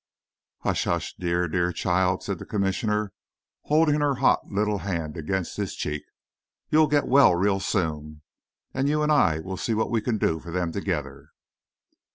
"Hush, hush dear, dear child," said the Commissioner, holding her hot little hand against his cheek; "you'll get well real soon, and you and I will see what we can do for them together."